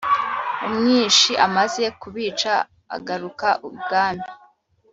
umwishi amaze kubica agaruka ibwami